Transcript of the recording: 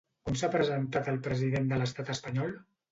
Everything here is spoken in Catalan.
On s'ha presentat el president de l'estat espanyol?